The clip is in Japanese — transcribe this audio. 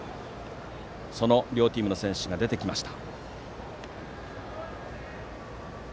両チームの選手が出てきました。